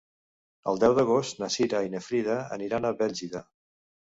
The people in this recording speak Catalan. El deu d'agost na Cira i na Frida aniran a Bèlgida.